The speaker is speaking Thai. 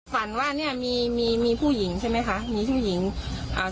ฝันว่าเนี้ยมีมีผู้หญิงใช่ไหมคะมีผู้หญิงอ่า